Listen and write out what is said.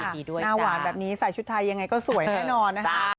หน้าหวานแบบนี้ใส่ชุดไทยยังไงก็สวยแน่นอนนะคะ